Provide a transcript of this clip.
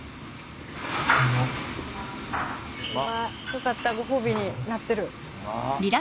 よかったご褒美になってる。